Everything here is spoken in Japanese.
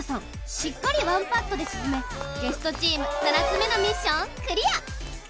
しっかりワンパットで沈めゲストチーム七つ目のミッションクリア！